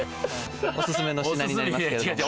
おすすめの品になります。